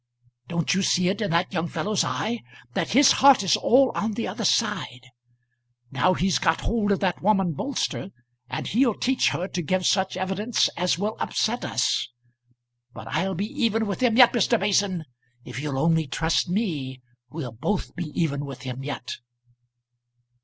Don't you see it in that young fellow's eye that his heart is all on the other side. Now he's got hold of that woman Bolster, and he'll teach her to give such evidence as will upset us. But I'll be even with him yet, Mr. Mason. If you'll only trust me, we'll both be even with him yet."